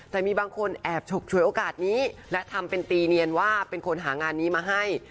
แต่มีบางคนแอบฉกฉวยโอกาสนี้และทำเป็นตีเนียนว่าเป็นคนหางานนี้มาให้